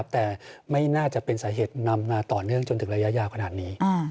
แต่ไม่น่าจะเป็นสาเหตุนำมาต่อเนื่องจนถึงระยะยาวขนาดนี้